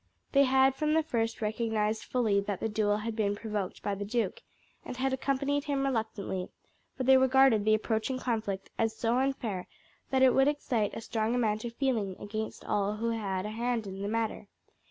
They had from the first recognized fully that the duel had been provoked by the duke, and had accompanied him reluctantly, for they regarded the approaching conflict as so unfair that it would excite a strong amount of feeling against all who had a hand in the matter.